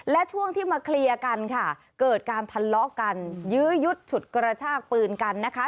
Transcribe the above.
และช่วงที่มาเคลียร์กันค่ะเกิดการทะเลาะกันยื้อยุดฉุดกระชากปืนกันนะคะ